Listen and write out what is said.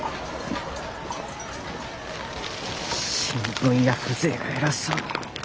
新聞屋風情が偉そうに。